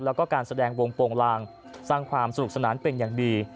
แล้วก็การแสดงวงโปรงลางสร้างความสนุกสนานเป็นอย่างดี